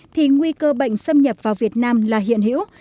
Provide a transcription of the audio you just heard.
thì nguy cơ bệnh xâm nhập vào việt nam là hiện hữu